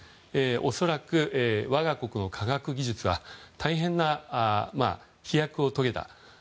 恐らく、我が国の科学技術は大変な飛躍を遂げた。